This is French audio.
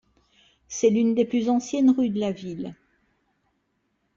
C'est l'une des plus anciennes rue de la ville.